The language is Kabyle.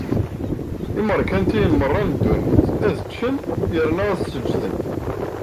Imeṛkantiyen merra n ddunit ad ččen yerna ad seǧǧden.